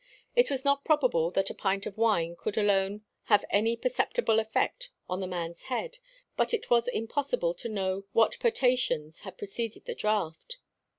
It was not probable that a pint of wine could alone have any perceptible effect on the man's head, but it was impossible to know what potations had preceded the draught.